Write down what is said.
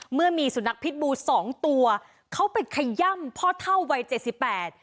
เมื่อมีสุนัขพิษบูสองตัวเขาไปขย่ำพ่อเท่าวัยเจ็ดสิบแปด